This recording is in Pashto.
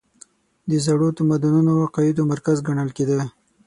د زړو تمدنونو او عقایدو مرکز ګڼل کېده.